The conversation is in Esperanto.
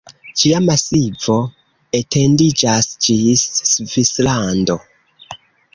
Ĝia masivo etendiĝas ĝis Svislando.